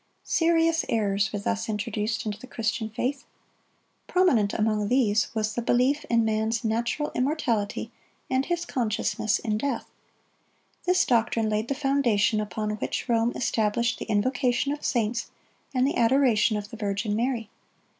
Serious errors were thus introduced into the Christian faith. Prominent among these was the belief in man's natural immortality and his consciousness in death. This doctrine laid the foundation upon which Rome established the invocation of saints and the adoration of the Virgin Mary.